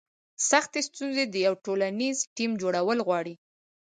سختې ستونزې د یو ټولنیز ټیم جوړول غواړي.